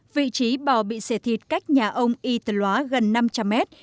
vị trí bò bị xẻ thịt cách nhà ông y tờ lóa gần năm trăm linh mét